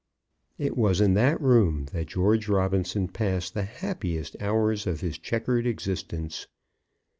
It was in that room that George Robinson passed the happiest hours of his chequered existence.